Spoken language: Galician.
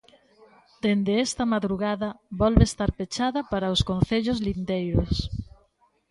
Dende esta madrugada volve estar pechada para os concellos lindeiros.